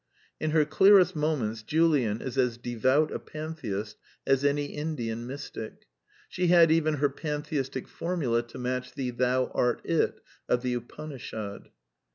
In her clearest moments Julian is as devout a pantheist as any Indian mystic. She had even her pantheistic for mula to match the " Thou art it " (Tat tvam asi) of the Upanishad.